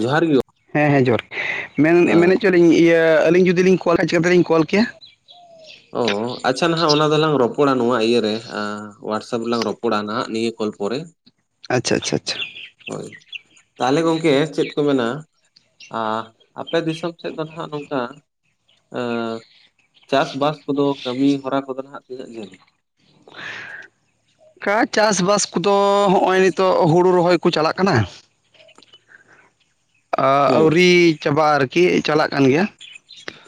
ᱡᱚᱦᱟᱨ ᱜᱮ ᱦᱮᱸ ᱦᱮᱸ ᱡᱚᱦᱟᱨ ᱢᱮᱱ ᱦᱮᱸ ᱢᱮᱱᱮᱫ ᱦᱚᱪᱚ ᱞᱤᱧ ᱤᱭᱟᱹ ᱟᱹᱞᱤᱧ ᱡᱩᱫᱤ ᱞᱤᱧ ᱠᱚᱞᱟ ᱪᱤᱠᱟᱹᱛᱮᱞᱤᱧ ᱠᱚᱞ ᱠᱮᱭᱟ? ᱚ ᱟᱪᱪᱷᱟ ᱱᱟᱦᱟᱜ ᱚᱱᱟ ᱫᱚᱞᱟᱝ ᱨᱚᱯᱚᱲᱟ ᱱᱚᱣᱟ ᱤᱭᱟᱹ ᱨᱮ ᱦᱚᱣᱟᱴᱥᱮᱯ ᱨᱮᱞᱟᱝ ᱨᱚᱯᱚᱲᱟ ᱱᱟᱦᱟᱜ ᱱᱤᱭᱟᱹ ᱠᱚᱞ ᱯᱚᱨᱮ᱾ [unintelligible] ᱟᱪᱪᱷᱟ ᱟᱪᱪᱷᱟ ᱟᱪᱪᱷᱟ ᱦᱳᱭ, ᱛᱟᱦᱚᱞᱮ ᱜᱚᱢᱠᱮ ᱪᱮᱫ ᱠᱚ ᱢᱮᱱᱟ ᱟᱯᱮ ᱫᱤᱥᱚᱢ ᱥᱮᱫ ᱫᱚ ᱱᱟᱜ ᱱᱚᱝᱠᱟ ᱪᱟᱥᱵᱟᱥ ᱠᱚᱫᱚ ᱠᱟᱹᱢᱤ ᱦᱚᱨᱟ ᱠᱚᱫᱚ ᱱᱟᱦᱟᱜ ᱛᱤᱱᱟᱹᱜ ᱡᱷᱟᱹᱞ? ᱠᱟ ᱪᱟᱥᱼᱵᱟᱥ ᱠᱚᱫᱚ ᱦᱚᱸᱼᱚᱭ ᱱᱤᱛᱳᱜ ᱦᱩᱲᱩ ᱨᱚᱦᱚᱭ ᱠᱚ ᱠᱚ ᱪᱟᱞᱟᱜ ᱠᱟᱱᱟ᱾ ᱦᱩᱸ ᱟᱣᱨᱤ ᱪᱟᱵᱟᱜ-ᱟ ᱟᱨᱠᱤ ᱪᱟᱞᱟᱜ ᱠᱟᱱ ᱜᱮᱭᱟ᱾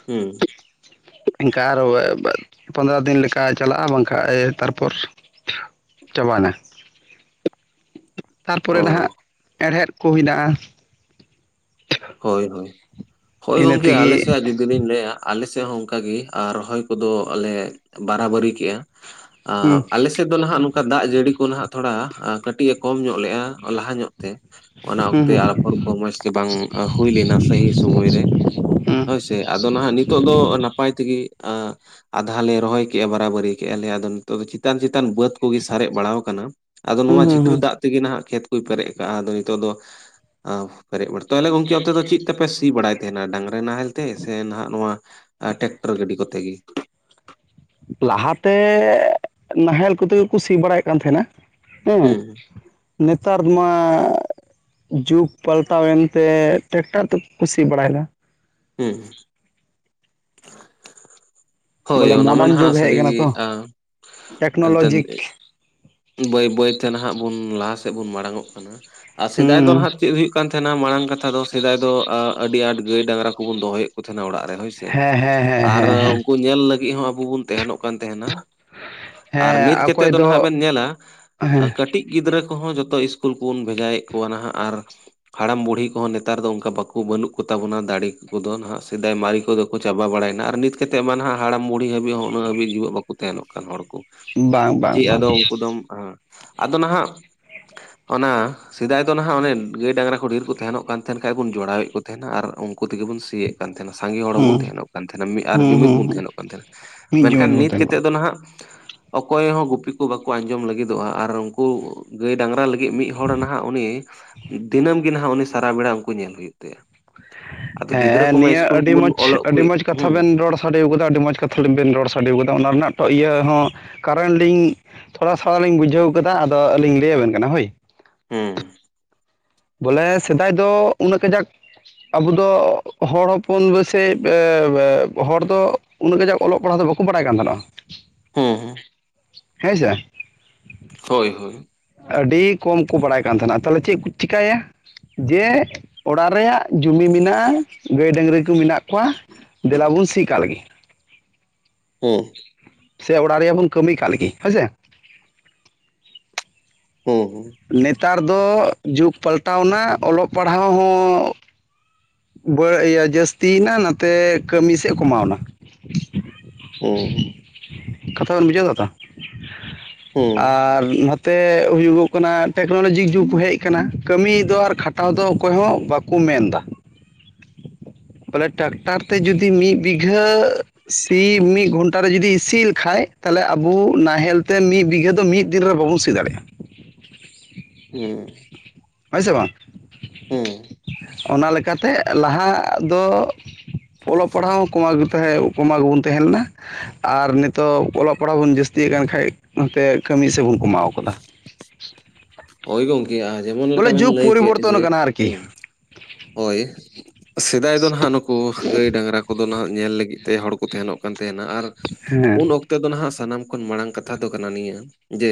ᱦᱩᱸ ᱮᱱᱠᱷᱟ [unintelligible] ᱯᱚᱱᱫᱽᱨᱚ ᱫᱤᱱᱠᱟᱭ ᱪᱟᱞᱟᱜᱼᱟ ᱵᱟᱝᱠᱷᱟᱡ ᱛᱟᱨᱯᱚᱨ ᱪᱟᱵᱟᱭᱱᱟ᱾ ᱛᱟᱨᱯᱚᱨᱮ ᱚ ᱱᱟᱦᱟᱜ ᱦᱮᱲᱦᱮᱫ ᱠᱚ ᱦᱮᱱᱟ ᱟ᱾ ᱦᱳᱭ ᱦᱳᱭ ᱦᱳᱭ ᱤᱱᱟᱹ ᱜᱚᱝᱠᱮ ᱛᱮᱜᱮ ᱟᱞᱮᱥᱭᱟᱜ ᱡᱩᱫᱤ ᱡᱩᱫᱤᱧ ᱞᱟᱹᱭᱟ ᱟᱞᱮ ᱥᱮᱫ ᱦᱚᱸ ᱚᱱᱠᱟᱜᱮ ᱟᱨ ᱨᱚᱦᱚᱭ ᱠᱚᱫᱚᱞᱮ ᱵᱟᱨᱟᱵᱟᱨᱤ ᱠᱮᱜᱼᱟ᱾ ᱦᱩᱸ ᱟᱞᱮᱥᱮᱫ ᱫᱚ ᱱᱟᱦᱟᱜ ᱱᱚᱝᱠᱟ ᱫᱟᱜ ᱡᱟᱹᱲᱤ ᱠᱚ ᱱᱟᱦᱟᱜ ᱛᱷᱚᱲᱟ ᱠᱟᱹᱴᱤᱡ ᱮ ᱠᱚᱢ ᱧᱚᱜ ᱚᱞᱼᱟ ᱞᱟᱦᱟ ᱧᱚᱜ ᱛᱮ ᱚᱱᱟ ᱦᱩᱸ ᱚᱠᱛᱮ ᱦᱩᱸ ᱟᱯᱚᱨ ᱠᱚ ᱢᱚᱸᱡᱽᱛᱮ ᱵᱟᱝ ᱦᱩᱭ ᱞᱮᱱᱟ ᱥᱟᱦᱤ ᱥᱚᱢᱚᱭ ᱨᱮ᱾ ᱦᱩᱸ ᱦᱳᱭᱥᱮ ᱟᱫᱚ ᱱᱟᱦᱟᱜ ᱱᱤᱛᱚᱜ ᱫᱚ ᱱᱟᱯᱟᱭ ᱛᱮᱜᱮ ᱟᱫᱷᱟ ᱞᱮ ᱨᱚᱦᱚᱭ ᱠᱮᱫᱼᱟ ᱵᱟᱨᱟᱵᱟᱹᱨᱤ ᱠᱮᱜᱼᱟ ᱞᱮ ᱟᱫᱚ ᱱᱤᱛᱚᱜ ᱫᱚ ᱪᱮᱛᱟᱱ ᱪᱮᱛᱟᱱ ᱵᱟᱹᱫ ᱠᱚᱜᱮ ᱥᱟᱨᱮᱡ ᱵᱟᱲᱟᱣ ᱟᱠᱟᱱᱟ᱾ ᱟᱫᱚ ᱦᱩᱸ ᱱᱚᱣᱟ ᱦᱩᱸ ᱡᱷᱤᱴᱟᱹᱨ ᱦᱩᱸ ᱫᱟᱜ ᱛᱮᱜᱮ ᱱᱟᱦᱟᱜ ᱠᱷᱮᱛ ᱠᱚᱭ ᱯᱮᱨᱮᱡ ᱟᱠᱟᱜᱼᱟ ᱟᱫᱚ ᱱᱤᱛᱚᱜ ᱫᱚ ᱯᱮᱨᱮᱡ ᱵᱟᱹᱲᱛᱤ ᱛᱚᱭᱚᱞᱮ ᱜᱚᱝᱠᱮ ᱚᱱᱛᱮ ᱫᱚ ᱪᱮᱜ ᱛᱮᱯᱮ ᱥᱤ ᱵᱟᱲᱟᱭᱟ? ᱛᱟᱦᱮᱱᱟ ᱰᱟᱝᱨᱟ ᱱᱟᱦᱮᱞ ᱛᱮ ᱥᱮ ᱱᱟᱦᱟᱜ ᱱᱚᱣᱟ ᱴᱨᱟᱠᱴᱚᱨ ᱜᱟᱹᱰᱤ ᱠᱚᱛᱮ ᱜᱮ᱾ ᱞᱟᱦᱟᱛᱮ ᱱᱟᱦᱮᱞ ᱠᱚᱛᱮᱜᱮᱠᱚ ᱥᱤ ᱵᱟᱲᱟᱭᱮᱫ ᱠᱟᱱ ᱛᱟᱦᱮᱸᱱᱟ᱾ ᱦᱮᱸ ᱦᱩᱸ ᱱᱮᱛᱟᱨ ᱢᱟ ᱡᱩᱜᱽ ᱯᱟᱞᱴᱟᱣᱮᱱᱛᱮ ᱴᱮᱠᱴᱟᱨ ᱛᱮᱠᱚ ᱥᱤ ᱵᱟᱲᱟᱭᱮᱫᱟ᱾ ᱦᱮᱸ [inaudible] ᱦᱳᱭ ᱵᱚᱞᱮ ᱚᱱᱟᱢᱟ ᱢᱚᱰᱟᱨᱱ ᱱᱟᱦᱟᱜ ᱡᱩᱜᱽ ᱦᱮᱡ ᱥᱟᱹᱨᱤᱜ ᱟᱠᱟᱱᱟ ᱛᱚ ᱮᱱᱛᱮᱫ ᱴᱮᱠᱱᱳᱞᱚᱡᱤᱠ ᱵᱟᱹᱭ ᱵᱟᱹᱭᱛᱮ ᱱᱟᱦᱟᱜ ᱵᱚᱱ ᱞᱟᱦᱟ ᱥᱮᱫ ᱵᱚᱱ ᱢᱟᱲᱟᱝ ᱚᱜ ᱠᱟᱱᱟ᱾ ᱟᱨ ᱥᱮᱫᱟᱭ ᱫᱚ ᱦᱩᱸ ᱱᱟᱦᱟᱜ ᱪᱮᱫ ᱦᱩᱭᱩᱜᱭ ᱠᱟᱱ ᱛᱟᱦᱮᱸᱱᱟ ᱢᱟᱲᱟᱝ ᱠᱟᱛᱷᱟ ᱫᱚ ᱥᱮᱫᱟᱭ ᱫᱚ ᱟᱹᱰᱤ ᱟᱸᱴ ᱜᱟᱹᱭ ᱰᱟᱝᱨᱟ ᱠᱚᱵᱚᱱ ᱫᱚᱦᱚᱭᱮᱫ ᱛᱟᱦᱮᱱᱟ ᱚᱲᱟᱜ ᱨᱮ ᱦᱳᱭᱥᱮ, ᱦᱮᱸ ᱦᱮᱸ ᱦᱮᱸ ᱟᱨ ᱦᱮᱸ ᱦᱮᱸ ᱩᱱᱠᱩ ᱧᱮᱞ ᱞᱟᱹᱜᱤᱫ ᱦᱚᱸ ᱟᱵᱚ ᱵᱚᱱ ᱛᱟᱦᱮᱱᱚᱜ ᱛᱟᱦᱮᱱᱟ ᱟᱨ ᱱᱤᱛ ᱦᱮᱸ ᱠᱟᱛᱮᱫ ᱚᱠᱚᱭ ᱫᱚ ᱱᱟᱦᱟᱜ ᱵᱮᱱ ᱧᱮᱞᱟ ᱦᱮᱸ ᱠᱟᱹᱴᱤᱡ ᱜᱤᱫᱽᱨᱟᱹ ᱠᱚᱦᱚᱸ ᱡᱚᱛᱚ ᱥᱠᱩᱞ ᱠᱚᱵᱚᱱ ᱵᱷᱮᱡᱟᱭᱮᱫ ᱠᱚᱣᱟ ᱱᱟᱦᱟᱜ ᱟᱨ ᱦᱟᱲᱟᱢ ᱵᱩᱲᱦᱤ ᱠᱚᱦᱚᱸ ᱱᱮᱛᱟᱨ ᱫᱚ ᱚᱱᱠᱟ ᱵᱟᱠᱚ ᱵᱟᱹᱱᱩᱜ ᱠᱚᱛᱟ ᱵᱚᱱᱟ ᱫᱟᱲᱮ ᱠᱚᱫᱚ ᱱᱟᱦᱟᱜ, ᱥᱮᱫᱟᱭ ᱢᱟᱨᱮ ᱠᱚᱫᱚ ᱠᱚ ᱪᱟᱵᱟ ᱵᱟᱲᱱᱟ ᱾ ᱟᱨ ᱱᱤᱛ ᱠᱟᱜ ᱢᱟ ᱱᱟᱦᱟᱜ ᱦᱟᱲᱟᱢ ᱵᱩᱲᱦᱤ ᱦᱟᱹᱵᱤᱡ ᱦᱚᱸ ᱩᱱᱟᱹᱜ ᱦᱟᱹᱵᱤᱡ ᱡᱤᱣᱮᱫ ᱵᱟᱠᱚ ᱛᱟᱦᱮᱱᱚᱜ ᱠᱟᱱ ᱦᱚᱲ ᱠᱚ᱾ ᱵᱟᱝ ᱵᱟᱝ ᱪᱮᱫ ᱵᱟᱝ ᱟᱫᱚ ᱩᱱᱠᱩ ᱫᱚᱢ ᱦᱮ ᱟᱫᱚ ᱱᱟᱦᱟᱜ ᱚᱱᱟ ᱥᱮᱫᱟᱭ ᱫᱚ ᱱᱟᱦᱟᱜ ᱚᱱᱮ ᱜᱟᱹᱭ ᱰᱟᱝᱨᱟ ᱠᱚ ᱰᱷᱮᱨ ᱠᱚ ᱛᱟᱦᱮᱱᱚᱜ ᱠᱟᱱ ᱛᱟᱦᱮᱱ ᱠᱷᱟᱱᱡ ᱵᱚᱱ ᱡᱚᱲᱟᱣᱮᱫ ᱠᱚ ᱛᱟᱦᱮᱱᱟ ᱟᱨ ᱩᱱᱠᱩ ᱛᱮᱜᱮ ᱵᱚᱱ ᱥᱤᱭᱮᱫ ᱠᱟᱱ ᱛᱟᱦᱮᱱᱟ᱾ ᱥᱟᱸᱜᱮ ᱦᱚᱲ ᱦᱩᱸ ᱦᱚᱸᱵᱚᱱ ᱛᱟᱦᱮᱱᱚᱜ ᱠᱟᱱ ᱛᱟᱦᱮᱱᱟ, ᱢᱤᱫ ᱟᱨ ᱦᱩᱸ ᱦᱩᱸ ᱡᱩᱢᱤᱫ ᱵᱚᱱ ᱦᱩᱸ ᱛᱟᱦᱮᱱᱚᱜ ᱠᱟᱱ ᱛᱟᱦᱮᱱᱟ᱾ ᱢᱤᱫ ᱢᱮᱱᱠᱷᱟᱱ ᱡᱩᱢᱤᱫ ᱵᱚᱱ ᱱᱤᱛ ᱛᱟᱦᱮᱱ ᱢᱟ ᱠᱟᱛᱮᱫ ᱫᱚ ᱱᱟᱦᱟᱜ ᱚᱠᱚᱭ ᱦᱚᱸ ᱜᱩᱯᱤ ᱠᱚ ᱵᱟᱠᱚ ᱟᱸᱡᱚᱢ ᱞᱟᱹᱜᱤᱫᱚᱜᱼᱟ ᱟᱨ ᱩᱱᱠᱩ ᱜᱟᱹᱭ ᱰᱟᱝᱨᱟ ᱞᱟᱹᱜᱤᱫ ᱢᱤᱫ ᱦᱚᱲ ᱱᱟᱦᱟᱜ ᱩᱱᱤ ᱫᱤᱱᱟᱹᱢ ᱜᱮ ᱱᱟᱦᱟᱜ ᱩᱱᱤ ᱥᱟᱨᱟ ᱵᱮᱲᱟ ᱩᱱᱠᱩ ᱧᱮᱞ ᱦᱩᱭᱩᱜ ᱛᱟᱭᱟ᱾ ᱟᱫᱚ ᱜᱤᱫᱽᱨᱟᱹ ᱦᱮᱸ ᱠᱚᱢᱟ ᱱᱤᱭᱟᱹ ᱤᱥᱠᱩᱞ ᱟᱹᱰᱤ ᱠᱚᱵᱚᱱ ᱢᱚᱡᱽ ᱚᱞᱚᱜ ᱠᱚ ᱟᱹᱰᱤ ᱢᱚᱡᱽ ᱠᱟᱛᱷᱟ ᱦᱩᱸ ᱵᱮᱱ ᱨᱚᱲ ᱥᱟᱰᱮ ᱠᱟᱫᱟ ᱟᱹᱰᱤ ᱢᱚᱡᱽ ᱠᱟᱛᱷᱟ ᱞᱤᱧ ᱵᱮᱱ ᱨᱚᱲ ᱥᱟᱰᱮ ᱠᱟᱫᱟ ᱚᱱᱟ ᱨᱮᱱᱟᱜ ᱤᱭᱟᱹ ᱦᱚᱸ ᱠᱟᱨᱮᱱᱴ ᱞᱤᱧ ᱛᱷᱚᱲᱟ ᱥᱚᱲᱟ ᱞᱤᱧ ᱵᱩᱡᱷᱟᱹᱣ ᱟᱠᱟᱫᱟ ᱟᱫᱚ ᱟᱹᱞᱤᱧ ᱞᱟᱹᱭ ᱟᱵᱮᱱ ᱠᱟᱱᱟ ᱦᱳᱭ᱾ ᱦᱮᱸ ᱵᱚᱞᱮ ᱥᱮᱫᱟᱭ ᱫᱚ ᱩᱱᱟᱹᱜ ᱠᱟᱡᱟᱠ ᱟᱵᱚ ᱫᱚ ᱦᱚᱲ ᱦᱚᱯᱚᱱ ᱫᱚ ᱥᱮᱭ [unintelligible] ᱦᱚᱲ ᱫᱚ ᱩᱱᱟᱹᱜ ᱠᱟᱡᱟᱠ ᱚᱞᱚᱜ ᱯᱟᱲᱦᱟᱣ ᱫᱚ ᱵᱟᱠᱚ ᱵᱟᱲᱟᱭ ᱠᱟᱱ ᱛᱟᱦᱮᱟ᱾ ᱦᱮᱸ ᱦᱮᱸ ᱦᱮᱸ ᱥᱮ ᱦᱳᱭ ᱦᱳᱭ ᱟᱹᱰᱤ ᱠᱚᱢ ᱠᱚ ᱵᱟᱲᱟᱭ ᱠᱟᱱ ᱛᱟᱦᱮᱱᱟ ᱛᱟᱦᱚᱞᱮ ᱪᱮᱫ ᱠᱚ ᱪᱤᱠᱟᱭᱟ ᱡᱮ ᱚᱲᱟᱜ ᱨᱮᱭᱟᱜ ᱡᱚᱢᱤ ᱢᱮᱱᱟᱜᱼᱟ ᱜᱟᱹᱭ ᱰᱟᱝᱨᱤ ᱠᱚ ᱢᱮᱱᱟᱜ ᱠᱚᱣᱟ ᱫᱮᱞᱟ ᱵᱚᱱ ᱥᱤ ᱠᱟᱜ ᱞᱮ ᱜᱮ ᱦᱩᱸ ᱥᱮ ᱚᱲᱟᱜ ᱨᱮᱭᱟᱜ ᱵᱚᱱ ᱠᱟᱹᱢᱤ ᱠᱟᱜ ᱞᱮᱜᱤ ᱦᱳᱭ ᱥᱮ ᱦᱩᱸ ᱦᱩᱸ ᱱᱮᱛᱟᱨ ᱫᱚ ᱡᱩᱜᱽ ᱯᱟᱞᱴᱟᱣᱱᱟ ᱚᱞᱚᱜ ᱯᱟᱲᱦᱟᱣ ᱦᱚᱸ ᱵᱟᱹ ᱤᱭᱟᱹ ᱡᱟᱹᱥᱛᱤᱭᱮᱱᱟ ᱱᱟᱛᱮ ᱠᱟᱹᱢᱤ ᱥᱮᱫ ᱠᱚᱢᱟᱣᱱᱟ ᱦᱩᱸ ᱠᱟᱛᱷᱟ ᱵᱮᱱ ᱵᱩᱡᱷᱟᱹᱣ ᱫᱟ ᱛᱚ? ᱦᱩᱸ ᱟᱨ ᱱᱚᱛᱼ ᱼᱛᱮ ᱦᱩᱭᱩᱜᱚᱜ ᱠᱟᱱᱟ ᱴᱮᱠᱱᱳᱞᱚᱡᱤ ᱡᱩᱜᱽ ᱦᱮᱡ ᱟᱠᱟᱱᱟ ᱠᱟᱹᱢᱤ ᱫᱚ ᱟᱨ ᱠᱷᱟᱴᱟᱣ ᱫᱚ ᱚᱠᱚᱭ ᱦᱚᱸ ᱵᱟᱠᱚ ᱠᱚ ᱢᱮᱱ ᱮᱫᱟ ᱯᱚᱞᱮ ᱴᱨᱟᱠᱴᱟᱨ ᱛᱮ ᱡᱚᱫᱤ ᱢᱤᱫ ᱵᱤᱜᱷᱟᱹ ᱥᱤ ᱢᱤᱫ ᱜᱷᱚᱱ ᱼᱴᱟᱨ ᱨᱮ ᱡᱩᱫᱤ ᱥᱤ ᱞᱮᱠᱷᱟᱡ ᱛᱟᱦᱚᱞᱮ ᱟᱵᱚ ᱱᱟᱦᱮᱞ ᱛᱮ ᱢᱤᱫ ᱵᱤᱜᱷᱟᱹ ᱫᱚ ᱢᱤᱫ ᱫᱤᱱ ᱨᱮ ᱵᱟᱵᱚᱱ ᱥᱤ ᱫᱟᱲᱮᱭᱟᱜᱼᱟ [inaudible] ᱦᱩᱸ ᱦᱳᱭ ᱥᱮ ᱵᱟᱝ ᱦᱩᱸ ᱚᱱᱟ ᱞᱮᱠᱟᱛᱮ ᱞᱟᱦᱟ ᱫᱚ ᱚᱞᱚᱜ ᱯᱟᱲᱦᱟᱣ ᱦᱚᱸ ᱠᱚᱢᱟᱣ ᱜᱮ ᱛᱟᱦᱮᱸ ᱠᱚᱢᱟᱣ ᱜᱮᱵᱚᱱ ᱛᱟᱦᱮᱸ ᱞᱮᱱᱟ ᱟᱨ ᱱᱤᱛᱚᱜ ᱚᱞᱚᱜ ᱯᱟᱲᱦᱟᱜ ᱵᱚᱱ ᱡᱟᱹᱥᱛᱤᱭᱮᱜ ᱠᱟᱱ ᱠᱷᱟᱡ ᱱᱚᱛᱮ ᱠᱟᱹᱢᱤ ᱥᱮᱵᱚᱱ ᱠᱚᱢᱟᱣ ᱟᱠᱟᱫᱟ ᱦᱳᱭ ᱜᱚᱝᱠᱮ ᱡᱮᱢᱚᱱ ᱞᱮᱠᱟ ᱵᱚᱞᱮ ᱵᱮᱱ ᱡᱩᱜᱽ ᱞᱟᱹᱭ ᱠᱮᱫ ᱯᱚᱨᱤᱵᱚᱨᱛᱚᱱ ᱡᱮ ᱟᱠᱟᱱᱟ ᱟᱨᱠᱤ ᱦᱳᱭ ᱥᱮᱫᱟᱭ ᱫᱚ ᱱᱟᱦᱟᱜ ᱱᱩᱠᱩ ᱜᱟᱹᱭ ᱰᱟᱝᱨᱟ ᱠᱚᱫᱚ ᱱᱟᱦᱟᱜ ᱧᱮᱞ ᱞᱟᱹᱜᱤᱫ ᱛᱮ ᱦᱚᱲ ᱠᱚ ᱛᱟᱦᱮᱱᱚᱜ ᱠᱟᱱ ᱛᱟᱦᱮᱱᱟ ᱟᱨ ᱦᱮᱸ ᱩᱱ ᱚᱠᱛᱚ ᱩᱱ ᱛᱮᱫᱚ ᱱᱟᱦᱟᱜ ᱥᱟᱱᱟᱢ ᱠᱷᱚᱱ ᱢᱟᱲᱟᱝ ᱠᱟᱛᱷᱟ ᱫᱚ ᱠᱟᱱᱟ ᱱᱤᱭᱟᱹ ᱡᱮ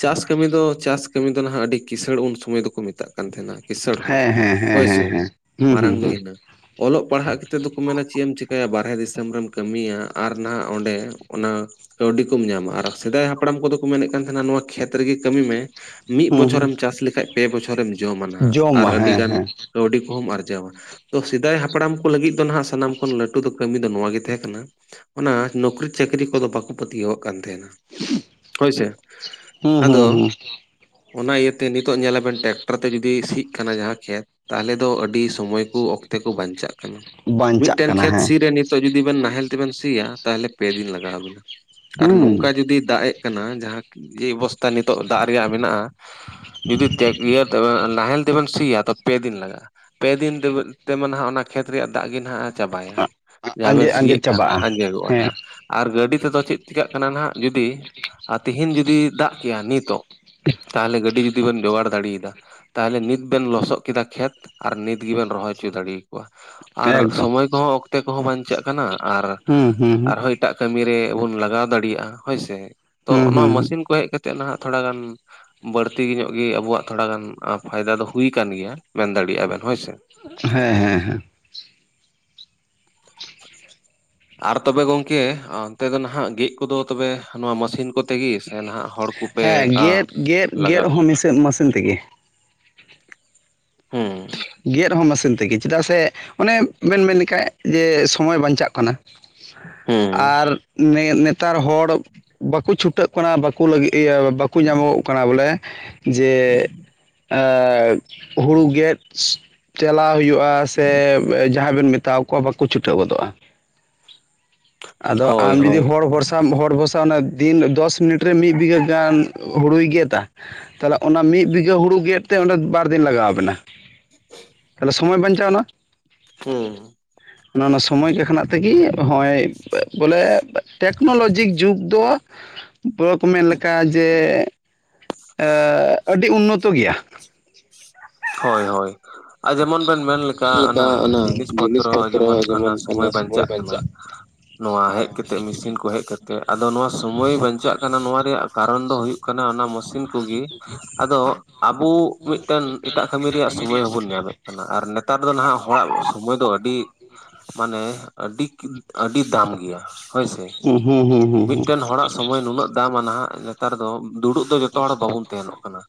ᱪᱟᱥ ᱠᱟᱹᱢᱤ ᱫᱚ ᱪᱟᱥ ᱠᱟᱹᱢᱤ ᱫᱚ ᱱᱟᱦᱟᱜ ᱟᱹᱰᱤ ᱠᱤᱥᱟᱹᱬ ᱩᱱ ᱥᱩᱢᱚᱭ ᱫᱚᱠᱚ ᱢᱮᱛᱟᱜᱼᱟ ᱠᱟᱱ ᱛᱟᱦᱮᱱᱟ ᱠᱸᱤᱥᱟᱹᱬ ᱦᱚᱲ ᱦᱮᱸ ᱦᱮᱸ ᱦᱮᱸ ᱦᱮᱸ ᱦᱳᱭᱥᱮ ᱦᱮᱸ ᱾ ᱦᱩᱸ ᱦᱩᱸ ᱢᱟᱨᱟᱝ ᱫᱚ ᱦᱩᱸ ᱤᱱᱟᱹ ᱚᱞᱚᱜ ᱯᱟᱲᱦᱟᱜ ᱠᱟᱛᱮᱫ ᱫᱚᱠᱚ ᱢᱮᱱᱟ ᱪᱮᱫ ᱮᱢ ᱪᱤᱠᱟᱹᱭᱟ ᱵᱟᱦᱨᱮ ᱫᱤᱥᱚᱢ ᱨᱮᱢ ᱠᱟᱹᱢᱤᱭᱟ ᱟᱨ ᱱᱟᱦᱟᱜ ᱚᱸᱰᱮ ᱚᱱᱟ ᱠᱟᱹᱣᱰᱤ ᱠᱚᱢ ᱧᱟᱢᱟ ᱟᱨ ᱥᱮᱫᱟᱭ ᱦᱟᱯᱲᱟᱢ ᱠᱚᱫᱚ ᱠᱚ ᱢᱮᱱᱮᱫ ᱛᱟᱦᱮᱱᱟ ᱱᱚᱣᱟ ᱠᱷᱮᱛ ᱨᱮᱜᱮ ᱠᱟᱹᱢᱤ ᱢᱮ ᱢᱤᱫ ᱦᱩᱸ ᱵᱚᱪᱷᱚᱨᱮᱢ ᱦᱩᱸ ᱪᱟᱥ ᱞᱮᱠᱷᱟᱡ ᱯᱮ ᱵᱚᱪᱷᱚᱨᱮᱢ ᱡᱚᱢᱟ ᱱᱟᱦᱟᱜ ᱟᱨ ᱡᱚᱢᱟ ᱟᱹᱰᱤ ᱦᱮᱸ ᱜᱟᱱ ᱦᱮᱸ ᱠᱟᱹᱣᱰᱤ ᱠᱚᱦᱚᱢ ᱟᱨᱡᱟᱣᱟ ᱛᱚ ᱥᱮᱫᱟᱭ ᱦᱟᱯᱲᱟᱢ ᱠᱚ ᱞᱟᱹᱜᱤᱫ ᱫᱚ ᱱᱟᱦᱟᱜ ᱥᱟᱱᱟᱢ ᱠᱷᱚᱱ ᱞᱟᱹᱴᱩ ᱫᱚ ᱠᱟᱹᱢᱤ ᱫᱚ ᱱᱚᱣᱟᱜ ᱜᱮ ᱛᱟᱦᱮᱸ ᱠᱟᱱᱟ ᱚᱱᱟ ᱱᱚᱠᱨᱤ ᱪᱟᱹᱠᱨᱤ ᱠᱚᱫᱚ ᱵᱟᱠᱚ ᱯᱟᱹᱛᱭᱟᱹᱣᱟᱜ ᱠᱟᱱ ᱛᱟᱦᱮᱸᱱᱟ᱾ ᱦᱳᱭᱥᱮ ᱦᱩᱸ ᱦᱩᱸ ᱟᱫᱚ ᱦᱩᱸ ᱚᱱᱟ ᱤᱭᱟᱹᱛᱮ ᱱᱤᱛᱚᱜ ᱧᱮᱞᱟᱵᱮᱱ ᱴᱨᱟᱠᱴᱟᱨ ᱛᱮ ᱡᱩᱫᱤ ᱥᱤᱜ ᱠᱟᱱᱟ ᱡᱟᱦᱟᱸ ᱠᱷᱮᱛ ᱛᱟᱦᱚᱞᱮ ᱫᱚ ᱟᱹᱰᱤ ᱥᱚᱢᱚᱭ ᱠᱚ ᱚᱠᱛᱮ ᱠᱚ ᱵᱟᱧᱪᱟᱜ ᱠᱟᱱᱟ ᱾ ᱵᱟᱧᱪᱟᱜ ᱢᱤᱫᱴᱮᱱ ᱠᱟᱱᱟ ᱠᱷᱮᱛ ᱦᱮᱸ ᱥᱤ ᱨᱮ ᱱᱤᱛᱚᱜ ᱡᱩᱫᱤ ᱵᱮᱱ ᱱᱟᱦᱮᱞ ᱛᱮᱵᱮᱱ ᱥᱤᱭᱟ ᱛᱟᱦᱚᱞᱮ ᱯᱮ ᱫᱤᱱ ᱞᱟᱜᱟᱣ ᱟᱹᱵᱤᱱᱟ ᱟᱨ ᱱᱚᱝᱠᱟ ᱦᱩᱸ ᱡᱩᱫᱤ ᱫᱟᱜ ᱮᱫ ᱠᱟᱱᱟ ᱡᱟᱦᱟᱸ ᱚᱵᱚᱥᱛᱷᱟ ᱱᱤᱛᱚᱜ ᱫᱟᱜ ᱨᱮᱭᱟᱜ ᱢᱮᱱᱟᱜᱼᱟ ᱡᱩᱫᱤ ᱛᱮ ᱤᱭᱟᱹ ᱱᱟᱦᱮᱞ ᱛᱮᱵᱮᱱ ᱥᱤᱭᱟ ᱛᱚ ᱯᱮ ᱫᱤᱱ ᱞᱟᱜᱟᱜᱼᱟ, ᱯᱮ ᱫᱤᱱ ᱛᱮ ᱱᱟᱦᱟᱜ ᱚᱱᱟ ᱠᱷᱮᱛ ᱨᱮᱭᱟᱜ ᱫᱟᱜ ᱜᱮ ᱱᱟᱦᱟᱜ ᱪᱟᱵᱟᱭᱟ ᱦᱟᱸᱜ ᱡᱟᱦᱟᱸ ᱵᱮᱢ ᱟᱸᱡᱮᱫ ᱥᱤᱭᱮᱫ ᱟᱸᱡᱮᱫ ᱠᱟᱱ ᱪᱟᱵᱟᱜᱼᱟ ᱟᱸᱡᱮᱫᱚᱜᱼᱟ ᱦᱮᱸ ᱱᱟᱦᱟᱜ ᱟᱨ ᱜᱟᱹᱰᱤ ᱛᱮᱫᱚ ᱪᱮᱫ ᱪᱮᱠᱟᱹᱜ ᱠᱟᱱᱟ ᱱᱟᱦᱱᱟᱜ ᱡᱩᱫᱤ ᱛᱤᱦᱤᱧ ᱡᱩᱫᱤ ᱫᱟᱜ ᱠᱮᱭᱟ ᱱᱤᱛᱚᱜ ᱛᱟᱦᱚᱞᱮ ᱜᱟᱹᱰᱤ ᱡᱩᱫᱤ ᱵᱚᱱ ᱡᱳᱜᱟᱲ ᱫᱟᱲᱮᱭᱟᱫᱟ ᱛᱟᱦᱚᱞᱮ ᱱᱤᱛ ᱵᱮᱱ ᱞᱚᱥᱚᱫ ᱠᱮᱫᱟ ᱠᱷᱮᱛ ᱟᱨ ᱱᱤᱛ ᱜᱮᱵᱮᱱ ᱨᱚᱦᱚᱭ ᱦᱚᱪᱚ ᱫᱟᱲᱮᱼ ᱠᱚᱣᱟ ᱟᱨ ᱮᱠᱫᱚᱢ ᱥᱚᱢᱚᱭ ᱠᱚᱦᱚᱸ ᱚᱠᱛᱮ ᱠᱚᱦᱚᱸ ᱵᱟᱧᱪᱟᱜ ᱠᱟᱱᱟ ᱟᱨ ᱦᱩᱸ ᱦᱩᱸ ᱟᱨ ᱦᱚᱸᱭ ᱮᱴᱟᱜ ᱠᱟᱹᱢᱤ ᱨᱮᱵᱚᱱ ᱞᱟᱜᱟᱣ ᱫᱟᱲᱮᱭᱟᱜᱼᱟ ᱦᱳᱭᱥᱮ ᱾ ᱛᱚ ᱦᱩᱸ ᱦᱩᱸ ᱚᱱᱟ ᱦᱩᱸ ᱢᱮᱥᱤᱱ ᱠᱚ ᱦᱮᱡ ᱠᱟᱛᱮᱜ ᱱᱟᱦᱟᱜ ᱛᱷᱚᱲᱟ ᱜᱟᱱ ᱵᱟᱹᱲᱛᱤ ᱧᱚᱜ ᱜᱤ ᱟᱵᱚᱣᱟᱜ ᱛᱷᱚᱲᱟ ᱜᱟᱱ ᱯᱷᱟᱭᱫᱟ ᱫᱚ ᱦᱩᱭ ᱠᱟᱱ ᱜᱮᱭᱟ ᱢᱮᱱ ᱫᱟᱲᱮᱭᱟᱜᱼᱟ ᱵᱮᱱ ᱦᱳᱭᱥᱮ ᱦᱮᱸ ᱦᱮᱸ ᱦᱮᱸ ᱟᱨ ᱛᱚᱵᱮ ᱜᱚᱝᱠᱮ ᱚᱱᱛᱮ ᱫᱚ ᱱᱟᱦᱟᱜ ᱜᱮᱜ ᱠᱚᱫᱚ ᱛᱚᱵᱮ ᱱᱚᱣᱟ ᱢᱮᱥᱤᱱ ᱠᱚᱛᱮ ᱜᱮ ᱥᱮ ᱱᱟᱦᱟᱜ ᱦᱚᱲ ᱠᱚᱯᱮ ᱦᱮᱸ ᱜᱮᱫ ᱜᱮᱫ ᱜᱮᱫ ᱞᱟᱜᱟᱣ ᱦᱚᱸ ᱢᱮᱥᱤᱱ ᱢᱮᱥᱤᱱ ᱛᱮᱜᱮ ᱦᱩᱸ ᱜᱮᱫ ᱦᱚᱸ ᱢᱮᱥᱤᱱ ᱛᱮᱜᱮ ᱪᱮᱫᱟᱜ ᱥᱮ ᱚᱱᱮ ᱢᱮᱱ ᱢᱮᱱ ᱞᱮᱠᱷᱟᱡ ᱡᱮ ᱥᱚᱢᱚᱭ ᱵᱟᱧᱪᱟᱜ ᱠᱟᱱᱟ᱾ ᱦᱩᱸ ᱟᱨ ᱱᱮᱛᱟᱨ ᱦᱚᱲ ᱵᱟᱠᱚ ᱪᱷᱩᱴᱟᱹᱜ ᱵᱟᱠᱚ ᱞᱟᱹᱜᱤᱫ ᱵᱟᱠᱚ ᱧᱟᱢᱚᱜᱚᱜ ᱠᱟᱱᱟ, ᱵᱚᱞᱮ ᱡᱮ ᱦᱩᱲᱩ ᱜᱮᱫ ᱪᱟᱞᱟᱣ ᱦᱩᱭᱩᱜᱼᱟ ᱥᱮ ᱡᱟᱦᱟᱸᱭ ᱵᱮᱱ ᱢᱮᱛᱟᱣ ᱟᱠᱚ ᱵᱟᱠᱚ ᱪᱷᱩᱴᱷᱟᱹᱣ ᱜᱚᱫᱚᱜᱼᱟ᱾ ᱟᱫᱚ ᱦᱳᱭ ᱟᱢ ᱡᱩᱫᱤ ᱦᱳᱭ ᱦᱚᱲ ᱵᱷᱚᱨᱥᱟᱢ ᱦᱚᱲ ᱵᱷᱚᱨᱥᱟ ᱚᱱᱟ ᱫᱤᱱ ᱫᱚᱥ ᱢᱤᱱᱤᱴ ᱨᱮ ᱢᱤᱫ ᱵᱤᱜᱷᱟᱹ ᱜᱟᱱ ᱦᱩᱲᱩᱭ ᱜᱮᱫᱟ᱾ ᱛᱟᱦᱚᱞᱮ ᱚᱱᱟ ᱢᱤᱫ ᱵᱤᱜᱷᱟᱹ ᱦᱩᱲᱩ ᱜᱮᱫ ᱛᱮ, ᱚᱸᱰᱮ ᱵᱟᱨ ᱫᱤᱱ ᱞᱟᱜᱟᱣ ᱵᱮᱱᱟ᱾ ᱛᱟᱦᱞᱮ ᱥᱚᱢᱚᱭ ᱵᱟᱧᱪᱟᱣ ᱮᱱᱟ᱾ [inaudible] ᱚᱱ ᱚᱱᱟ ᱥᱚᱢᱚᱭ ᱠᱷᱱᱟᱜ ᱛᱮᱜᱮ ᱦᱚᱜᱼᱚᱭ ᱵᱚᱞᱮ ᱴᱮᱠᱱᱳᱞᱚᱡᱤ ᱡᱩᱜᱽ ᱫᱚ ᱯᱚᱨ ᱠᱚ ᱢᱮᱱ ᱞᱮᱠᱟ ᱡᱮ ᱟᱹᱰᱤ ᱩᱱᱱᱚᱛᱚ ᱜᱮᱭᱟ᱾ ᱦᱳᱭ ᱦᱳᱭ ᱟᱨ ᱡᱮᱢᱚᱱ ᱵᱮᱱ ᱢᱮᱱ ᱞᱮᱠᱟ, ᱚᱱᱟ ᱡᱤᱱᱤᱥ ᱯᱚᱛᱨᱚ ᱡᱮᱢᱚᱱ ᱚᱱᱟ ᱥᱚᱢᱚᱭ ᱵᱟᱧᱪᱟᱜ ᱠᱟᱱᱟ᱾ ᱱᱚᱣᱟ ᱦᱮᱡ ᱠᱟᱛᱮᱜ ᱢᱮᱥᱤᱱ ᱠᱚ ᱦᱮᱡ ᱠᱟᱛᱮᱜ, ᱟᱫᱚ ᱱᱚᱣᱟ ᱥᱩᱢᱚᱭ ᱵᱟᱧᱪᱟᱜ ᱠᱟᱱᱟ ᱱᱚᱣᱟ ᱨᱮᱭᱟᱜ ᱠᱟᱨᱚᱱ ᱫᱚ ᱦᱳᱭᱳᱜ ᱠᱟᱱᱟ, ᱠᱟᱱᱟ, ᱚᱱᱟ ᱢᱮᱥᱤᱱ ᱠᱚᱜᱮ᱾ ᱟᱫᱚ ᱟᱵᱚ ᱢᱤᱫᱴᱮᱱ ᱮᱴᱟᱜ ᱠᱟᱹᱢᱤ ᱨᱮᱭᱟᱜ ᱥᱚᱢᱚᱭ ᱦᱚᱸᱵᱩᱱ ᱧᱟᱢᱮᱫ ᱠᱟᱱᱟ᱾ ᱟᱨ ᱱᱮᱛᱟᱨ ᱫᱚ ᱱᱟᱦᱟᱜ ᱦᱚᱲᱟᱜ ᱥᱚᱢᱚᱭ ᱫᱚ ᱟᱹᱰᱤ ᱢᱟᱱᱮ ᱟᱹᱰᱤ ᱟᱹᱰᱤ ᱫᱟᱢ ᱜᱮᱭᱟ᱾ ᱦᱳᱭ ᱥᱮ ᱦᱩᱸ ᱦᱩᱸ ᱦᱩᱸ ᱦᱩᱸ ᱢᱤᱫᱴᱮᱱ ᱦᱚᱲᱟᱜ ᱥᱚᱢᱚᱭ ᱱᱩᱱᱟᱹᱜ ᱫᱟᱢᱟ ᱱᱟᱦᱟᱜ ᱱᱮᱛᱟᱨ ᱫᱚ ᱫᱩᱲᱩᱵ ᱫᱚ ᱡᱚᱛᱚ ᱦᱚᱲ ᱵᱟᱵᱚᱱ ᱛᱟᱦᱮᱱᱚᱜ ᱠᱟᱱᱟ᱾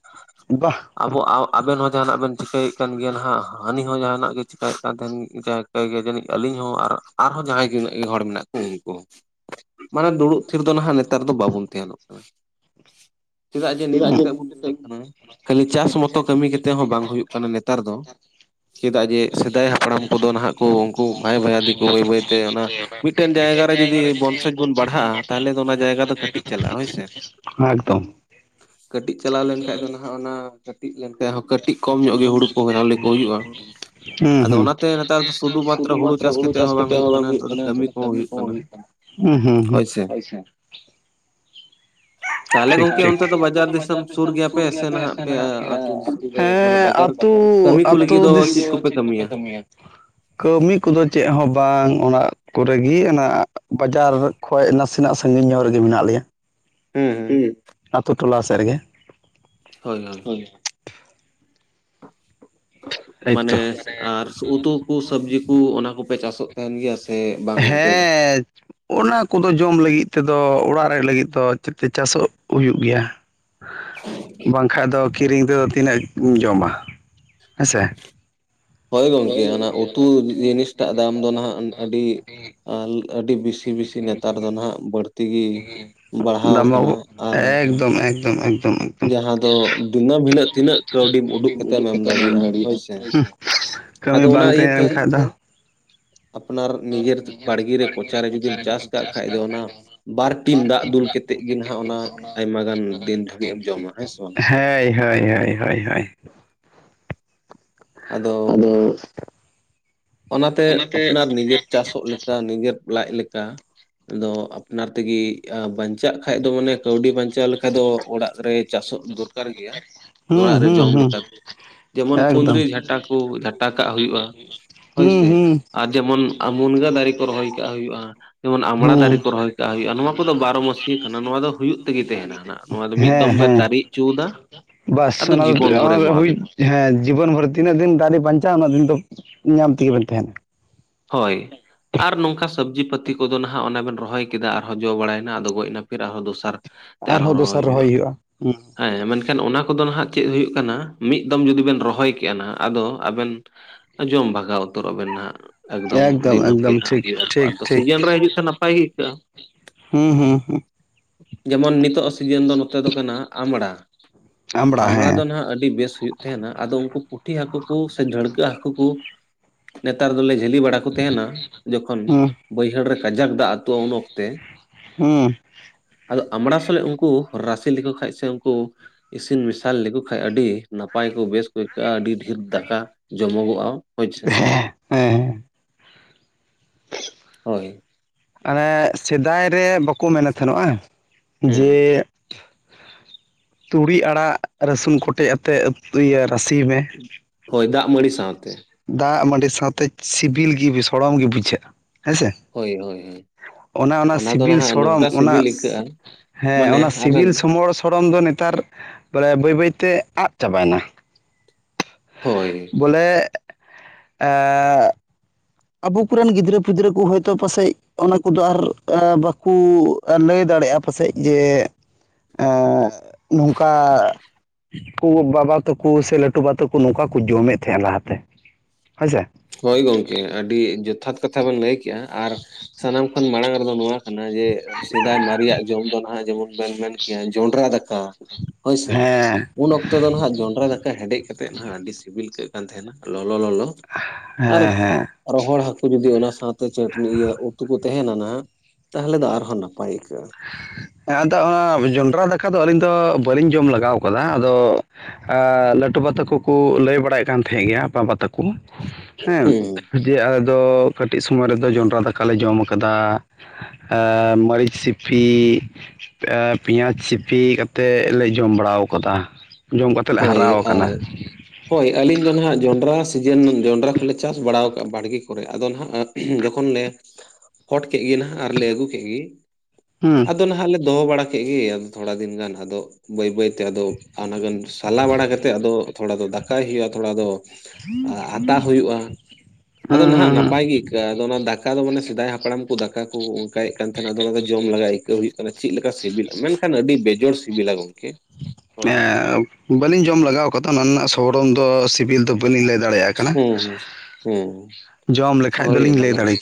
ᱵᱟᱦ ᱟᱵᱚ ᱟᱵᱮ ᱡᱟᱦᱟᱱᱟᱜ ᱵᱮᱱ ᱪᱤᱠᱟᱹᱭᱮᱫ ᱠᱟᱱ ᱜᱮᱭᱟ ᱦᱟᱸᱜ, ᱦᱟᱹᱱᱤ ᱦᱚᱸ ᱡᱟᱦᱟᱱᱟᱜ ᱜᱮ ᱪᱤᱠᱟᱹᱭᱮᱫ ᱠᱟᱱ ᱛᱟᱦᱮᱱ ᱡᱟᱹᱱᱤᱡ ᱟᱹᱞᱤᱧ ᱦᱚᱸ ᱟᱨ ᱟᱨᱦᱚᱸ ᱡᱟᱦᱟᱸᱭ ᱛᱤᱱᱟᱹᱜ ᱜᱮ ᱦᱚᱲ ᱢᱮᱱᱟᱜ ᱠᱚ ᱩᱱᱠᱩ ᱢᱟᱱᱮ ᱫᱩᱲᱩᱵ ᱛᱷᱤᱨ ᱫᱚ ᱱᱟᱦᱟᱜ ᱱᱮᱛᱟᱨ ᱫᱚ ᱵᱟᱵᱚᱱ ᱛᱮᱱᱚᱜ ᱠᱟᱱᱟ᱾ [inaudible] ᱪᱮᱫᱟᱜ ᱡᱮ ᱱᱤᱛ ᱠᱟᱛᱮᱫ ᱵᱚᱱ ᱧᱮᱞᱮᱫ ᱠᱟᱱᱟ᱾ ᱠᱷᱟᱹᱞᱤ ᱪᱟᱥ ᱢᱚᱛᱚ ᱠᱟᱹᱢᱤ ᱠᱟᱛᱮ ᱛᱮᱦᱚᱸ ᱵᱟᱝ ᱦᱩᱭᱩᱜ ᱠᱟᱱᱟ, ᱱᱮᱛᱟᱨ ᱫᱚ᱾ ᱪᱮᱫᱟᱜ ᱡᱮ ᱥᱮᱫᱟᱭ ᱦᱟᱯᱲᱟᱢ ᱠᱚᱫᱚ ᱱᱟᱦᱟᱜ ᱠᱚ ᱩᱱᱠᱩ ᱵᱟᱭ ᱵᱟᱭᱟ ᱫᱤᱠᱚ ᱵᱟᱹᱭ ᱵᱟᱹᱭᱛᱮ ᱚᱱᱟ ᱢᱤᱫᱴᱮᱱ ᱡᱟᱭᱜᱟ ᱨᱮ ᱡᱩᱫᱤ ᱵᱚᱱᱥᱚᱡ ᱵᱚᱱ ᱵᱟᱲᱦᱟᱜᱼᱟ, ᱛᱟᱦᱚᱞᱮ ᱫᱚ ᱚᱱᱟ ᱡᱟᱭᱜᱟ ᱫᱚ ᱠᱟᱹᱴᱤᱡ ᱪᱟᱞᱟᱜᱼᱟ, ᱦᱳᱭ ᱥᱮ᱾ ᱮᱠᱫᱚᱢ ᱠᱟᱹᱴᱤᱡ ᱪᱟᱞᱟᱣ ᱞᱮᱱᱠᱷᱟᱡ ᱫᱚ ᱱᱟᱦᱟᱜ, ᱚᱱᱟ ᱠᱟᱹᱴᱤᱡ ᱞᱮᱱᱠᱷᱟᱡ ᱦᱚᱸ ᱠᱟᱹᱴᱤᱡ ᱠᱚᱢ ᱧᱚᱜ ᱜᱮ ᱦᱩᱲᱩ ᱠᱚ ᱪᱟᱣᱞᱮ ᱠᱚ ᱦᱩᱭᱩᱜᱼᱟ᱾ ᱦᱩᱸ ᱟᱫᱚ ᱦᱩᱸ ᱚᱱᱟᱛᱮ ᱱᱮᱛᱟᱨ ᱫᱚ ᱥᱩᱫᱩ ᱢᱟᱛᱨᱚ ᱦᱩᱲᱩ ᱪᱟᱥ ᱠᱟᱛᱮᱜ ᱦᱚᱸ ᱵᱟᱝ ᱦᱩᱭᱩᱜ ᱠᱟᱱᱟ, ᱠᱟᱹᱢᱤ ᱠᱚᱦᱚᱸ ᱦᱩᱭᱩᱜ ᱠᱟᱱᱟ ᱦᱩᱸ ᱦᱩᱸ ᱦᱩᱸ ᱦᱳᱭᱥᱮ᱾ [inaudible] [unintelligible] [unintelligible] ᱴᱷᱤᱠ ᱴᱷᱤᱠ, ᱟᱯᱮ ᱚᱱᱛᱮ ᱫᱚ ᱵᱟᱡᱟᱨ ᱫᱤᱥᱚᱢ ᱥᱩᱨ ᱜᱮᱭᱟ ᱯᱮ ᱥᱮ ᱟᱹᱛᱩ ᱫᱤᱥᱚᱢ? ᱦᱮᱸ ᱠᱟᱹᱢᱤ ᱠᱚ ᱟᱹᱛᱩ ᱞᱟᱹᱜᱤᱫ ᱫᱚ ᱫᱤᱥᱚᱢ᱾ ᱪᱮᱫ ᱠᱚᱯᱮ ᱠᱟᱹᱢᱤᱭᱟ? ᱠᱟᱢᱤ ᱠᱟᱹᱢᱤ ᱠᱚᱫᱚ ᱪᱮᱫ ᱦᱚᱸ ᱵᱟᱝ ᱚᱱᱟ ᱠᱚᱨᱮ ᱜᱮ᱾ ᱚᱱᱟ ᱵᱟᱡᱟᱨ ᱠᱷᱳᱡ ᱱᱟᱥᱮᱱᱟᱜ ᱥᱟᱺᱜᱤᱧ ᱧᱚᱜ ᱨᱮᱜᱮ ᱢᱮᱱᱟᱜ ᱞᱮᱭᱟ᱾ ᱦᱮᱸ ᱦᱮᱸ ᱦᱩᱸ ᱟᱹᱛᱩ-ᱴᱚᱞᱟ ᱥᱮᱫ ᱨᱮᱜᱮ ᱦᱳᱭ ᱦᱳᱭ ᱢᱟᱱᱮ ᱮᱭᱛᱚ ᱟᱨ ᱩᱛᱩ ᱠᱚ ᱥᱚᱵᱡᱤ ᱠᱚ ᱚᱱᱟ ᱠᱚᱯᱮ ᱪᱟᱥᱚᱜ ᱛᱟᱦᱮᱱ ᱜᱮᱭᱟ ᱥᱮ ᱵᱟᱝ ᱚᱱᱛᱮ ᱫᱚ? ᱦᱮᱸ ᱚᱱᱟ ᱠᱚᱫᱚ ᱡᱚᱢ ᱞᱟᱹᱜᱤᱫ ᱛᱮᱫᱚ ᱚᱲᱟᱜ ᱨᱮ ᱞᱟᱹᱜᱤᱫ ᱛᱮ ᱫᱚ ᱪᱟᱥᱚᱜ ᱦᱩᱭᱩᱜ ᱜᱮᱭᱟ᱾ ᱵᱟᱝᱠᱷᱟᱡ ᱫᱚ ᱠᱤᱨᱤᱧ ᱛᱮᱫᱚ ᱛᱤᱱᱟᱹᱜ ᱮᱢ ᱡᱚᱢᱟ ᱦᱮᱸᱥᱮ᱾ ᱦᱳᱭ ᱜᱚᱝᱠᱮ ᱚᱱᱟ ᱩᱛᱩ ᱡᱤᱱᱤᱥᱴᱟᱜ ᱫᱟᱢ ᱫᱚ ᱱᱟᱦᱟᱜ ᱟᱹᱰᱤ ᱟᱹᱰᱤ ᱵᱤᱥᱤ- ᱵᱮᱥᱤ ᱱᱮᱛ ᱱᱮᱛᱟᱨ ᱫᱚ ᱱᱟᱸᱜ ᱵᱟᱹᱲᱛᱤ ᱜᱮ ᱵᱟᱲᱦᱟᱣ ᱫᱟᱢᱚᱜ ᱠᱟᱱᱟ ᱟᱨ ᱮᱠᱫᱚᱢ ᱮᱠᱫᱚᱢ ᱮᱠᱫᱚᱢ ᱮᱠᱫᱚᱢ ᱡᱟᱦᱟᱸ ᱫᱚ ᱫᱤᱱᱟᱹᱢ ᱦᱤᱞᱳ ᱛᱤᱱᱟᱹᱜ ᱠᱟᱹᱣᱰᱤ ᱩᱰᱩᱠ ᱠᱟᱛᱮᱜ ᱮᱢ ᱫᱟᱲᱮᱭᱟᱜᱼᱟ ᱦᱳᱭᱥᱮ᱾ ᱠᱟᱹᱢᱤ ᱟᱫᱚ ᱚᱱᱟ ᱵᱟᱝ ᱛᱟᱦᱮᱸ ᱞᱮᱱ ᱤᱭᱟᱹᱛᱮ ᱠᱷᱟᱱᱡ ᱫᱚ ᱟᱯᱱᱟᱨ ᱱᱤᱡᱮᱨ ᱵᱟᱲᱜᱤ ᱨᱮ ᱠᱚᱪᱟ ᱨᱮ ᱡᱩᱫᱤᱢ ᱪᱟᱥ ᱠᱟᱜ ᱠᱷᱟᱡ ᱫᱚ ᱵᱟᱨ ᱴᱤᱱ ᱫᱟᱜ ᱫᱤᱱ ᱫᱩᱞ ᱫᱟᱜ [unintelligible] ᱠᱟᱛᱮᱫ ᱜᱮ ᱱᱟᱦᱟᱜ ᱚᱱᱟ ᱟᱭᱢᱟ ᱜᱟᱱ ᱫᱤᱱ ᱫᱷᱟᱹᱵᱤᱡ ᱮᱢ ᱡᱚᱢᱟ ᱦᱮᱸ ᱥᱮ ᱵᱟᱝ ᱦᱮᱸ ᱦᱳᱭ ᱦᱳᱭ ᱦᱳᱭ ᱦᱳᱭ ᱟᱫᱚ ᱚᱱᱟᱛᱮ ᱟᱯᱱᱟᱨ ᱱᱤᱡᱮᱨ ᱪᱟᱥᱚᱜ ᱞᱮᱠᱟ ᱱᱤᱡᱮᱨ ᱞᱟᱡ ᱞᱮᱠᱟ ᱟᱫᱚ ᱟᱯᱱᱟᱨ ᱛᱮᱜᱮ ᱵᱟᱧ ᱪᱟᱜ ᱠᱷᱟᱡ ᱫᱚ ᱢᱟᱱᱮ ᱠᱟᱹᱣᱰᱤ ᱵᱟᱧᱪᱟᱣ ᱞᱮᱠᱟᱱ ᱫᱚ ᱚᱲᱟᱜ ᱨᱮ ᱪᱟᱥᱚᱜ ᱫᱚᱨᱠᱟᱨ ᱜᱮᱭᱟ, ᱦᱩᱸ ᱚᱲᱟᱜ ᱨᱮ ᱦᱩᱸ ᱡᱚᱢ ᱦᱩᱸ ᱞᱮᱠᱟ ᱫᱚ ᱡᱮᱢᱚᱱ ᱮᱠᱫᱚᱢ ᱠᱩᱸᱫᱽᱨᱤ ᱡᱷᱟᱴᱟ ᱠᱚ ᱡᱷᱟᱴᱟ ᱠᱟᱜ ᱦᱩᱭᱩᱜᱼᱟ ᱦᱳᱭ ᱦᱩᱸ ᱥᱮ ᱦᱩᱸ ᱟᱨ ᱡᱮᱢᱚᱱ ᱢᱩᱱᱜᱟᱹ ᱫᱟᱨᱮᱹ ᱠᱚ ᱨᱚᱦᱚᱭ ᱠᱟᱜ ᱦᱩᱭᱩᱜᱼᱟ ᱡᱮᱢᱚᱱ ᱟᱢᱲᱟ ᱦᱩᱸ ᱫᱟᱨᱮ ᱠᱚ ᱨᱚᱦᱚᱭ ᱠᱟᱜ ᱦᱩᱭᱩᱜᱼᱟ ᱱᱚᱣᱟ ᱠᱚᱫᱚ ᱵᱟᱨᱚ ᱢᱟᱹᱥᱤᱭᱟᱹ ᱠᱟᱱᱟ ᱱᱚᱣᱟ ᱫᱚ ᱦᱩᱭᱩᱜ ᱛᱮᱜᱮ ᱛᱟᱦᱮᱸᱱᱟ ᱦᱟᱱᱟᱜᱼᱟ ᱦᱮᱸ ᱦᱮᱸ ᱵᱟᱥ ᱟᱫᱚ ᱚᱱᱟ ᱫᱚ ᱡᱤᱵᱚᱱ ᱚᱱᱟ ᱵᱷᱳᱨᱮ ᱫᱚ ᱦᱩᱭ ᱮᱢᱟᱣᱟᱵᱤᱱᱟ ᱦᱮᱸ ᱡᱤᱵᱚᱱ ᱵᱷᱚᱨ ᱛᱤᱱᱟᱹᱜ ᱫᱤᱱ ᱫᱟᱨᱮ ᱵᱟᱧᱪᱟᱜᱼᱟ ᱩᱱᱟᱹᱜ ᱫᱤᱱ ᱫᱚ ᱧᱟᱢ ᱛᱮᱜᱮ ᱦᱩᱭᱩᱜ ᱛᱟᱸᱦᱮᱫ, ᱦᱳᱭ ᱟᱨ ᱱᱚᱝᱠᱟ ᱥᱚᱵᱽᱡᱤ ᱯᱟᱹᱛᱤ ᱠᱚᱫᱚ ᱱᱟᱦᱟᱜ ᱚᱱᱟ ᱵᱮᱱ ᱨᱚᱦᱚᱭ ᱠᱮᱫᱟ ᱟᱨᱦᱚᱸ ᱡᱚ ᱵᱟᱲᱟᱭᱱᱟ ᱟᱫᱚ ᱜᱚᱡᱱᱟ ᱯᱷᱮᱨ ᱟᱨᱦᱚᱸ ᱫᱚᱥᱟᱨ ᱛᱮ ᱟᱨᱦᱚᱸ ᱨᱚᱦᱚᱭ ᱦᱩᱭᱩᱜᱼᱟ ᱦᱮᱸ ᱢᱮᱱᱠᱷᱟᱱ ᱚᱱᱟ ᱠᱚᱫᱚ ᱱᱟᱦᱟᱜ ᱪᱮᱫ ᱦᱩᱭᱩᱜ ᱠᱟᱱᱟ ᱢᱤᱫ ᱫᱚᱢ ᱡᱩᱫᱤ ᱵᱮᱱ ᱨᱚᱦᱚᱭ ᱠᱮᱜᱼᱟ ᱱᱟᱦᱟᱜ ᱟᱫᱚ ᱟᱵᱮᱱ ᱡᱚᱢ ᱵᱷᱟᱜᱟᱣ ᱩᱛᱟᱹᱨᱚᱜᱼᱟ ᱵᱮᱱ ᱱᱟᱦᱟᱜ ᱮᱠᱫᱚᱢ ᱫᱤᱱᱟᱹᱢ ᱜᱮ ᱮᱠᱫᱚᱢ ᱦᱟᱸᱜ ᱴᱷᱤᱠ ᱴᱷᱤᱠ ᱦᱩᱭᱩᱜᱼᱟ ᱴᱷᱤᱠ ᱥᱤᱡᱮᱱ ᱨᱮ ᱦᱤᱡᱩᱜ ᱛᱮ ᱱᱟᱯᱟᱭ ᱜᱮ ᱟᱹᱭᱠᱟᱹᱜᱼᱟ ᱦᱩᱸ ᱦᱩᱸ ᱦᱩᱸ ᱡᱮᱢᱚᱱ ᱱᱤᱛᱚᱜ ᱟᱜ ᱥᱤᱡᱤᱱ ᱫᱚ ᱱᱚᱛᱮ ᱫᱚ ᱠᱟᱱᱟ ᱟᱢᱲᱟ ᱟᱢᱲᱟ ᱫᱚ ᱱᱟᱦᱟᱜ ᱟᱹᱰᱤ ᱵᱮᱥ ᱦᱩᱭᱩᱜ ᱛᱟᱦᱮᱸᱱᱟ ᱟᱫᱚ ᱩᱱᱠᱩ ᱯᱩᱴᱷᱤ ᱦᱟᱹᱠᱩ ᱠᱩ ᱥᱮ ᱰᱟᱹᱲᱠᱟᱹ ᱦᱟᱹᱠᱩ ᱠᱩ ᱱᱮᱛᱟᱨ ᱫᱚᱞᱮ ᱡᱷᱟᱹᱞᱤ ᱵᱟᱲᱟ ᱠᱚ ᱛᱟᱦᱮᱸᱱᱟ ᱡᱚᱠᱷᱚᱱ ᱦᱩᱸ ᱵᱟᱹᱭᱦᱟᱹᱲ ᱨᱮ ᱠᱟᱡᱟᱠ ᱫᱟᱜ ᱟᱹᱛᱩᱜᱼᱟ ᱩᱱ ᱚᱠᱛᱚ ᱛᱮ ᱦᱩᱸ ᱟᱫᱚ ᱟᱢᱲᱟ ᱥᱟᱞᱟᱜ ᱩᱱᱠᱩ ᱨᱟᱥᱮ ᱞᱮᱠᱚ ᱠᱷᱟᱡ ᱥᱮ ᱩᱱᱠᱩ ᱤᱥᱤᱱ ᱢᱮᱥᱟᱞ ᱞᱮᱠᱚ ᱠᱷᱟᱡ ᱟᱹᱰᱤ ᱱᱟᱯᱟᱭ ᱠᱚ ᱵᱮᱥ ᱠᱚ ᱟᱹᱭᱠᱟᱹᱜᱼᱟ ᱟᱹᱰᱤ ᱰᱷᱮᱨ ᱫᱟᱠᱟ ᱡᱚᱢᱚᱜᱚᱜᱼᱟ ᱦᱳᱭ ᱥᱮ ᱦᱮᱸ ᱦᱮᱸ ᱦᱳᱭ ᱟᱱᱮ ᱥᱮᱫᱟᱭ ᱨᱮ ᱵᱟᱠᱚ ᱢᱮᱱᱮᱫ ᱛᱟᱦᱮᱱᱚᱜᱼᱟ ᱦᱮᱸ ᱡᱮ ᱛᱩᱲᱤ ᱟᱲᱟᱜ ᱨᱟᱹᱥᱩᱱ ᱠᱚᱴᱮᱡ ᱟᱛᱮᱫ ᱤᱭᱟᱹ ᱨᱟᱥᱮᱭ ᱢᱮ ᱦᱳᱭ ᱫᱟᱜ ᱢᱟᱹᱬᱤ ᱥᱟᱶᱛᱮ ᱫᱟᱜ ᱢᱟᱹᱰᱤ ᱥᱟᱶᱛᱮ ᱥᱤᱵᱤᱞ ᱜᱮ ᱥᱚᱲᱚᱢ ᱜᱮ ᱵᱩᱡᱷᱟᱹᱜᱼᱟ ᱦᱮᱸᱥᱮ ᱦᱳᱭ ᱦᱳᱭ ᱦᱳᱭ ᱚᱱᱟ ᱚᱱᱟ ᱫᱚ ᱥᱤᱵᱤᱞ ᱱᱟᱦᱟᱜ ᱥᱚᱲᱚᱢ ᱱᱚᱝᱠᱟ ᱚᱱᱟ ᱥᱤᱵᱤᱞ ᱟᱹᱭᱠᱟᱹᱜᱼᱟ ᱦᱮᱸ ᱢᱟᱱᱮ ᱚᱱᱟ ᱟᱵᱮᱱ ᱥᱤᱵᱤᱞ ᱥᱩᱢᱚᱲ ᱥᱚᱲᱚᱢ ᱫᱚ ᱱᱮᱛᱟᱨ ᱵᱚᱞᱮ ᱵᱟᱹᱭ ᱵᱟᱹᱭᱛᱮ ᱟᱫ ᱪᱟᱵᱟᱭᱮᱱᱟ ᱦᱳᱭ ᱵᱚᱞᱮ ᱮᱸᱜ ᱟᱵᱩ ᱠᱚᱨᱮᱱ ᱜᱤᱫᱽᱨᱟᱹ ᱯᱤᱫᱽᱨᱟᱹ ᱠᱚ ᱦᱚᱭᱛᱳ ᱯᱟᱥᱮᱡ ᱚᱱᱟ ᱠᱚᱫᱚ ᱟᱨ ᱵᱟᱠᱩ, ᱞᱟᱹᱭ ᱫᱟᱲᱮᱭᱟᱜᱼᱟ ᱯᱟᱥᱮᱡ ᱡᱮ ᱮᱸ ᱚᱱᱠᱟ ᱠᱚ ᱵᱟᱵᱟ ᱛᱟᱠᱚ ᱥᱮ ᱞᱟᱹᱴᱩ ᱵᱟ ᱛᱟᱠᱚ ᱱᱚᱝᱠᱟ ᱠᱚ ᱡᱚᱢᱮᱫ ᱛᱟᱦᱮᱸᱱᱟ ᱞᱟᱦᱟᱛᱮ ᱦᱳᱭᱥᱮ ᱦᱳᱭ ᱜᱚᱢᱠᱮ ᱟᱹᱰᱤ ᱡᱚᱛᱷᱟᱛ ᱠᱟᱛᱷᱟ ᱵᱮᱱ ᱞᱟᱹᱭ ᱠᱟᱜ ᱞᱮᱜᱼᱟ ᱟᱨ ᱥᱟᱱᱟᱢ ᱠᱷᱚᱱ ᱢᱟᱲᱟᱝ ᱨᱮᱫᱚ ᱱᱚᱣᱟ ᱠᱟᱱᱟ ᱡᱮ ᱥᱮᱫᱟᱭ ᱢᱟᱨᱮᱭᱟᱜ ᱡᱚᱢ ᱫᱚ ᱱᱟᱦᱟᱜ ᱡᱮᱢᱚᱱ ᱵᱮᱱ ᱢᱮᱱ ᱠᱮᱭᱟ ᱡᱚᱸᱰᱨᱟ ᱫᱟᱠᱟ ᱦᱳᱭᱥᱮ ᱦᱮᱸ ᱩᱱ ᱚᱠᱛᱚ ᱫᱚ ᱱᱟᱦᱟᱜ ᱡᱚᱱᱰᱨᱟ ᱫᱟᱠᱟ ᱦᱮᱰᱮᱡ ᱠᱟᱛᱮᱫ ᱱᱟᱦᱟᱜ ᱟᱹᱰᱤ ᱥᱤᱵᱤᱞ ᱟᱹᱭᱠᱟᱹᱜ ᱠᱟᱱ ᱛᱟᱦᱮᱸᱱᱟ ᱞᱚᱞ ᱞᱚᱞᱚ ᱟᱨ ᱦᱮᱸ ᱦᱮᱸ ᱨᱚᱦᱚᱲ ᱦᱟ. ᱠᱩ, ᱡᱩᱫᱤ ᱚᱱᱟ ᱥᱟᱶᱛᱮ ᱪᱟᱹᱴᱱᱤ ᱩᱛᱩ ᱠᱚ ᱛᱟᱦᱮᱸ ᱞᱮᱱᱟ ᱛᱟᱦᱚᱞᱮ ᱫᱚ ᱟᱨᱦᱚᱸ ᱱᱟᱯᱟᱭ ᱟᱹᱭᱠᱟᱹᱜᱼᱟ ᱦᱮ ᱟᱫᱚ ᱚᱱᱟ ᱡᱚᱸᱰᱨᱟ ᱫᱟᱠᱟ ᱫᱚ ᱟᱹᱞᱤᱧ ᱫᱚ ᱵᱟᱹᱞᱤᱧ ᱡᱚᱢ ᱞᱮᱟᱜᱟᱣ ᱠᱟᱫᱟ ᱟᱫᱚ, ᱞᱟᱹᱴᱩᱵᱟ ᱛᱟᱠᱚ ᱠᱩ ᱞᱟᱹᱭ ᱵᱟᱲᱟᱭᱮᱫ ᱠᱟᱱ ᱛᱟᱦᱮᱸᱫ ᱜᱮᱭᱟ ᱵᱟᱵᱟ ᱛᱟᱠᱚ ᱦᱮᱸ ᱦᱩᱸ ᱫᱤᱭᱮ ᱟᱞᱮ ᱫᱚ ᱠᱟᱹᱴᱤᱡ ᱥᱚᱢᱚᱭ ᱨᱮᱫᱚ ᱡᱚᱱᱰᱨᱟ ᱫᱟᱠᱟᱞᱮ ᱡᱚᱢ ᱠᱟᱫᱟ ᱟᱨ ᱢᱟᱹᱨᱤᱪ ᱥᱤ ᱥᱤ ᱯᱤᱸᱭᱟᱡᱽ ᱥᱤᱯᱤ ᱠᱟᱛᱮᱫ ᱞᱮ ᱡᱚᱢ ᱵᱟᱲᱟᱣ ᱠᱟᱫᱟ, ᱦᱳᱭ ᱟᱨ ᱦᱳᱭ ᱟᱹᱞᱤᱧ ᱫᱚ ᱱᱟᱦᱟᱜ ᱡᱚᱸᱰᱨᱟ ᱥᱤᱡᱤᱱ ᱡᱚᱸᱰᱨᱟ ᱠᱚᱞᱮ ᱪᱟᱥ ᱵᱟᱲᱟᱣ ᱠᱟᱜᱼᱟ ᱵᱟᱲᱜᱮ ᱠᱚᱨᱮ ᱟᱫᱚ ᱱᱟᱦᱟᱜ, ᱦᱮᱸ ᱡᱚᱠᱷᱚᱱ ᱞᱮ ᱦᱚᱴ ᱠᱮᱜ ᱜᱮ ᱱᱟᱦᱟᱜ ᱟᱨᱞᱮ ᱟᱹᱜᱩ ᱠᱮ ᱜᱮ? ᱦᱩᱸ ᱟᱫᱚ ᱱᱟᱦᱟᱜ ᱞᱮ ᱫᱚᱦᱚ ᱵᱟᱲᱟ ᱠᱮᱜ ᱜᱮ ᱟᱫᱚ ᱛᱷᱚᱲᱟ ᱫᱤᱱ ᱜᱟᱱ ᱟᱫᱚ ᱵᱟᱹᱭ ᱵᱟᱹᱭ ᱛᱮ ᱟᱫᱚ ᱟᱱᱟᱜᱟᱱ [unintelligible] ᱥᱟᱞᱟ ᱵᱟᱲᱟ ᱠᱟᱛᱮᱜ ᱟᱫᱚ ᱛᱷᱚᱲᱟ ᱫᱚ ᱫᱟᱠᱟᱭ ᱦᱩᱭᱩᱜᱼᱟ, ᱛᱷᱚᱲᱟ ᱫᱚ ᱟᱛᱟᱭ ᱦᱩᱭᱩᱜᱼᱟ᱾ [inaudible] ᱦᱩᱸ ᱟᱫᱚ ᱦᱩᱸ ᱱᱟᱦᱟᱜ ᱦᱩᱸ ᱱᱟᱯᱟᱭ ᱜᱮ ᱟᱹᱭᱠᱟᱹᱜᱼᱟ, ᱟᱫᱚ ᱚᱱᱟ ᱫᱟᱠᱟ ᱫᱚ ᱢᱟᱱᱮ ᱥᱮᱫᱟᱭ ᱦᱟᱯᱲᱟᱢ ᱠᱚ ᱫᱟᱠᱟ ᱠᱚ ᱚᱱᱠᱟᱭᱮᱫ ᱛᱟᱸᱦᱮ ᱠᱟᱱᱟᱸ ᱟᱫᱚ ᱚᱱᱟ ᱫᱚ ᱡᱚᱢ ᱞᱟᱜᱟ ᱟᱹᱭᱠᱟᱹᱜ ᱦᱩᱭᱩᱜ᱾ [unintelligible] ᱪᱮᱜ ᱞᱮᱠᱟ ᱥᱤᱵᱤᱞᱟ ᱢᱮᱱᱠᱷᱟᱱ ᱟᱹᱰᱤ ᱵᱮᱡᱚᱲ ᱥᱤᱵᱤᱞᱟ ᱜᱚᱝ᱾ [unintelligible] [unintelligible] ᱵᱟᱹᱞᱤᱧ ᱡᱚᱢ ᱞᱮᱟᱜᱟᱣᱟᱠᱟᱫᱟ ᱚᱱᱟ ᱨᱮᱱᱟᱜ ᱥᱚᱲᱚᱱ ᱫᱚ ᱥᱤᱵᱤᱞ ᱫᱚ᱾ ᱵᱟᱹᱞᱤᱧ ᱞᱟᱹᱭ ᱫᱟᱲᱮᱭᱟᱜ [unintelligible] ᱞᱤᱧ ᱞᱟᱹᱭ ᱫᱟᱲᱮᱭᱟᱜ ᱦᱳᱭ ᱦᱩᱸ ᱦᱩᱸ ᱦᱩᱸ ᱠᱟᱱᱟ, ᱡᱚᱢ ᱞᱮᱠᱷᱟᱡ ᱦᱳᱭ ᱫᱚᱞᱤᱧ ᱚᱱᱟ ᱞᱟᱹᱭ ᱢᱟ ᱫᱟᱲᱮ [unintelligible]